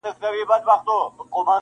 په دربار چي د سلطان سو ور دننه-